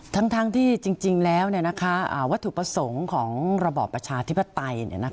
ทั้งที่จริงแล้ววัตถุประสงค์ของระบอบประชาธิปไตย